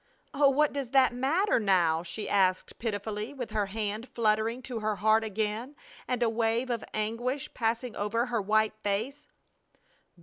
"Oh, what does that matter now?" she asked, pitifully, with her hand fluttering to her heart again and a wave of anguish passing over her white face.